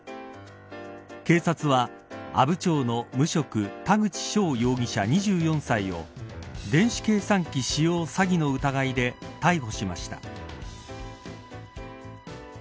警察は阿武町の無職田口翔容疑者２４歳を電子計算機使用詐欺の疑いで逮捕しました。